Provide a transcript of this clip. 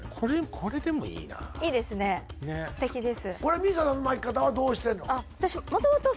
これでもいいな素敵です